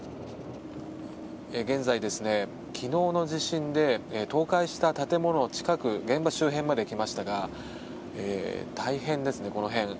現在、昨日の地震で倒壊した建物の近く現場周辺まで来ましたが大変ですね、この辺。